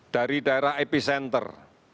dari daerah epicenter